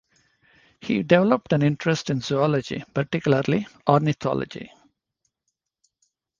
He developed an interest in zoology, particularly ornithology.